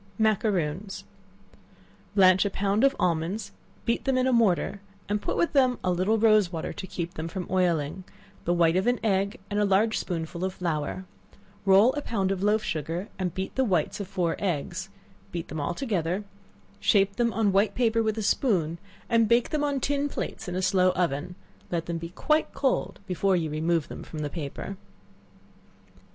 Macaroons. Blanch a pound of almonds, beat them in a mortar, and put with them a little rose water to keep them from oiling, the white of an egg, and a large spoonful of flour; roll a pound of loaf sugar, and beat the whites of four eggs; beat them all together; shape them on white paper with a spoon, and bake them on tin plates in a slow oven; let them be quite cold before you remove them from the paper.